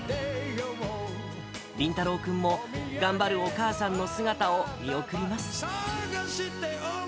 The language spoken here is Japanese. りんたろうくんも、頑張るお母さんの姿を見送ります。